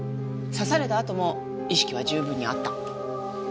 刺されたあとも意識は十分にあった。